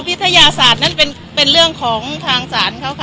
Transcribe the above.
วิทยาศาสตร์นั้นเป็นเรื่องของทางศาลเขาค่ะ